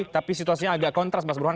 tapi situasinya agak kontras mas burhan